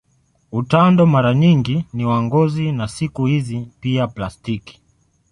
Utando mara nyingi ni wa ngozi na siku hizi pia plastiki.